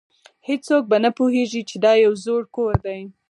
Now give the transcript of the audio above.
هیڅوک به نه پوهیږي چې دا یو زوړ کور دی